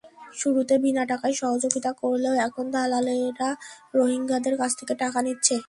শুরুতে বিনা টাকায় সহযোগিতা করলেও এখন দালালেরা রোহিঙ্গাদের কাছ থেকে টাকা নিচ্ছে।